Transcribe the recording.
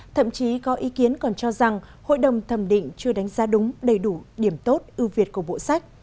thậm chí có ý kiến còn cho rằng hội đồng thẩm định chưa đánh giá đúng đầy đủ điểm tốt ưu việt của bộ sách